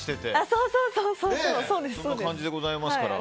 そんな感じでございますから。